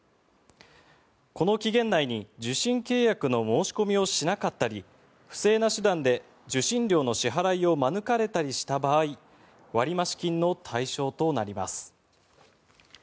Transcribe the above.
この期限内に受信契約の申し込みをしなかったり不正な手段で受信料の支払いを免れたりした場合割増金の対象となります。